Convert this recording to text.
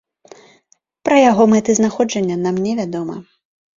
Пра яго мэты знаходжання нам не вядома.